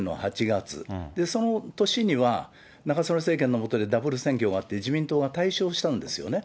その年には、中曽根政権の下で、ダブル選挙があって、自民党が大勝したんですよね。